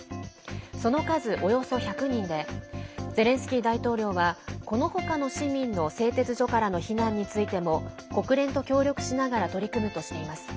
その数およそ１００人でゼレンスキー大統領はこのほかの市民の製鉄所からの避難についても国連と協力しながら取り組むとしています。